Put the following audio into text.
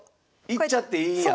いっちゃっていいんや？